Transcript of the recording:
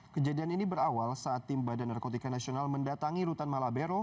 kejadian ini berawal saat tim badan narkotika nasional mendatangi rutan malabero